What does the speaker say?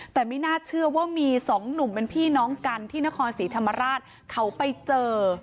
แต่ไม่น่าเชื่อว่ามีสองหนุ่มเป็นพี่น้องกันที่นครศรีธรรมราชเขาไปเจอ